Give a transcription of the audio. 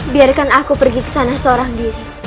biarkan aku pergi ke sana seorang diri